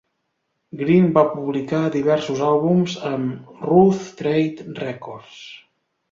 Green va publicar diversos àlbums amb Rough Trade Records.